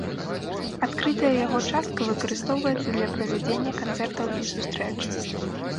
Адкрытая яго частка выкарыстоўваецца для правядзення канцэртаў і сустрэч.